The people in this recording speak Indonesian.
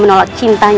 mas rata santang